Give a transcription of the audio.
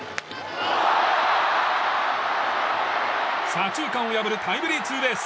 左中間を破るタイムリーツーベース。